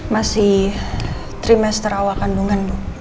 masih trimester awal kandungan bu